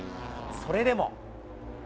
それでも。